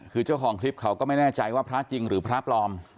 คือเจ้าของคลิปเขาก็ไม่แน่ใจว่าพระจริงหรือพระปลอม